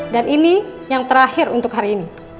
dan ini yang terakhir untuk hari ini